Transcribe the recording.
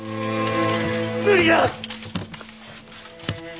無理だ！